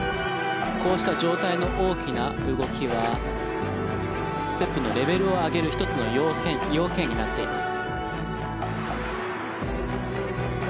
こうした上体の大きな動きはステップのレベルを上げる１つの要件になっています。